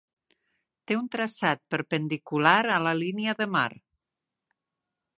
Té un traçat perpendicular a la línia de mar.